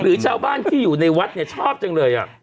หรือชาวบ้านที่อยู่ในวัดเนี่ยชอบจังเลย